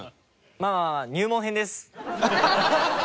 まあまあ入門編です！